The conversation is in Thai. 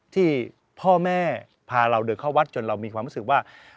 ที่พ่อแม่พาเราเดินเข้าวัดจนเรามีความรู้สึกว่า